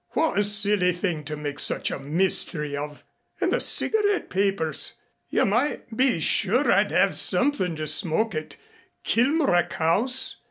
What a silly thing to make such a mystery of. And the cigarette papers you might be sure I'd have something to smoke at Kilmorack House.